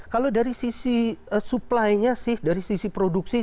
kalau dari sisi suplainya sih dari sisi produksi